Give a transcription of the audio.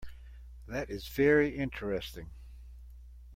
That is very interesting.